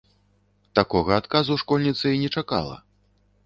Такога адказу школьніца і не чакала.